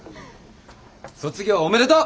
卒業おめでとう！